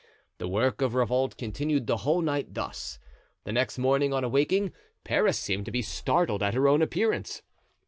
The work of revolt continued the whole night thus. The next morning, on awaking, Paris seemed to be startled at her own appearance.